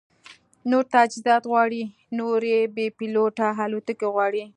نور تجهیزات غواړي، نورې بې پیلوټه الوتکې غواړي